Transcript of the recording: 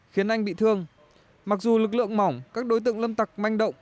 khiến anh bị thương mặc dù lực lượng mỏng các đối tượng lâm tặc manh động